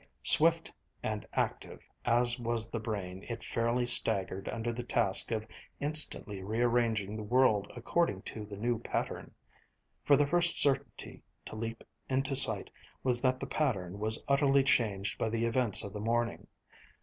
Swift and active as was the brain, it fairly staggered under the task of instantly rearranging the world according to the new pattern: for the first certainty to leap into sight was that the pattern was utterly changed by the events of the morning.